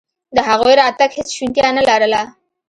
د هغوی راتګ هېڅ شونتیا نه لرله.